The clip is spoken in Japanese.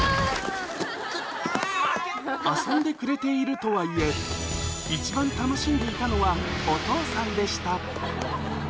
遊んでくれてるとはいえ、一番楽しんでいたのはお父さんでした。